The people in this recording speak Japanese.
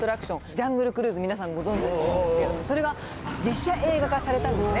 ジャングル・クルーズ皆さんご存じだと思うんですけどもそれが実写映画化されたんですね。